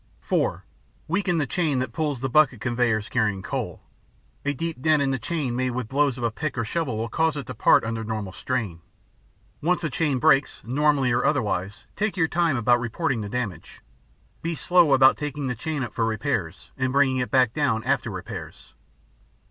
(4) Weaken the chain that pulls the bucket conveyers carrying coal. A deep dent in the chain made with blows of a pick or shovel will cause it to part under normal strain. Once a chain breaks, normally or otherwise take your time about reporting the damage; be slow about taking the chain up for repairs and bringing it back down after repairs.